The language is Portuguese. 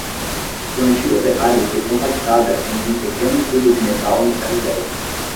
Sua antiga Ferrari foi compactada em um pequeno cubo de metal no ferro-velho.